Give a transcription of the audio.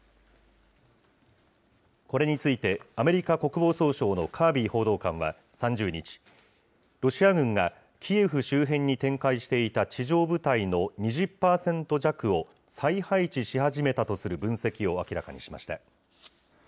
これについて、アメリカ国防総省のカービー報道官は３０日、ロシア軍がキエフ周辺に展開していた地上部隊の２０％弱を、再配置し始めたとする分析を明らかにしました。